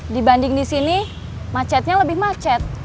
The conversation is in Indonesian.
dibanding disini macetnya lebih macet